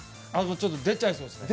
ちょっと出ちゃいそうですね。